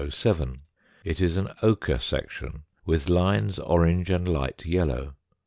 It is an ochre section with lines orange and light yellow.